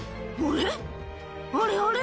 あれ？